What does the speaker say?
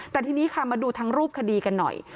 แต่ทีนี้ค่ะมาดูทั้งรูปคดีกันหน่อย